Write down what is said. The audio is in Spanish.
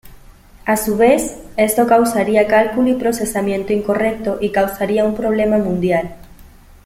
A su vez, esto causaría cálculo y procesamiento incorrecto y causaría un problema mundial.